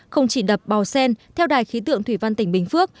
không chỉ đập bào sen theo đài khí tượng thủy văn tỉnh bình phước